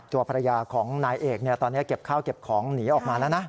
ตัวภรรยาของนายเอกตอนนี้เก็บข้าวเก็บของหนีออกมาแล้วนะ